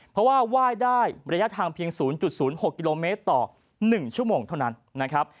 เพราะว่าไหว้ได้ระยะทางเพียง๐๐๖กิโลเมตรต่อ๑ชั่วโมงเท่านั้นนะครับ